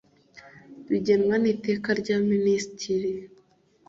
bigenwa n iteka rya minisitiri